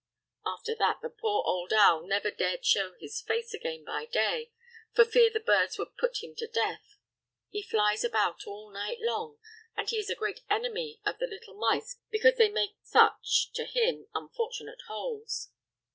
After that the poor owl never dared show his face again by day, for fear the birds should put him to death. He flies about all night long, and he is a great enemy of the little mice because they make such—to him—unfortunate holes.